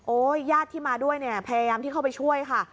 โอ้ยญาติที่มาด้วยเนี่ยแพรหมที่เข้าไปช่วยค่ะ